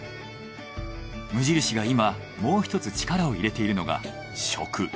無印が今もうひとつ力を入れているのが食。